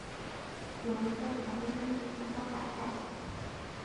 有人在抢卫生纸抢到打架